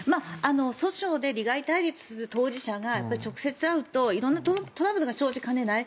訴訟で利害対立する当事者が直接会うと色んなトラブルが生じかねない。